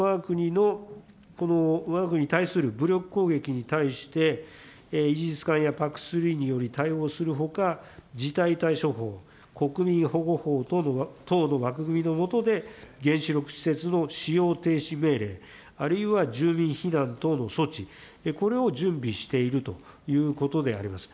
わが国に対する、この武力攻撃に対して、イージス艦やＰＡＣ３により対応するほか、事態対処法、国民保護法等の枠組みのもとで、原子力施設の使用停止命令、あるいは、住民避難等の措置、これを準備しているということであります。